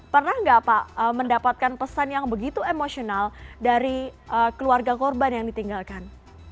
pernah nggak pak mendapatkan pesan yang begitu emosional dari keluarga korban yang ditinggalkan